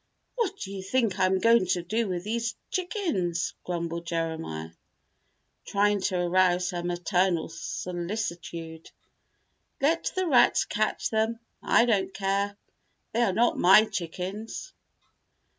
"What do you think I am going to do with these chickens?" grumbled Jeremiah, trying to arouse her maternal solicitude. "Let the rats catch them, I don't care. They are not my chickens."